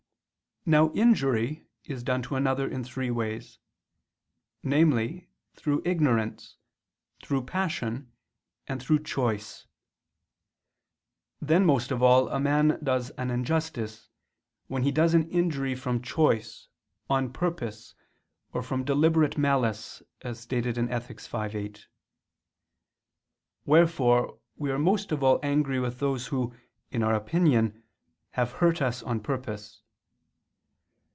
Now injury is done to another in three ways: namely, through ignorance, through passion, and through choice. Then, most of all, a man does an injustice, when he does an injury from choice, on purpose, or from deliberate malice, as stated in Ethic. v, 8. Wherefore we are most of all angry with those who, in our opinion, have hurt us on purpose.